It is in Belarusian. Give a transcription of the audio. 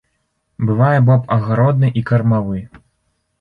Бывае боб агародны і кармавы.